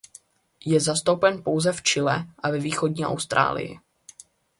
Je zastoupen pouze v Chile a ve východní Austrálii.